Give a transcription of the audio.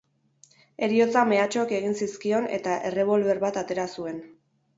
Heriotza mehatxuak egin zizkion eta errebolber bat atera zuen.